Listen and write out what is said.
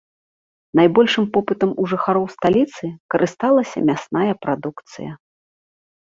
Найбольшым попытам у жыхароў сталіцы карысталася мясная прадукцыя.